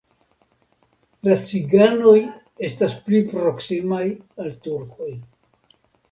La ciganoj estas pli proksimaj al turkoj.